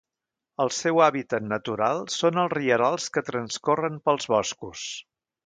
El seu hàbitat natural són els rierols que transcorren pels boscos.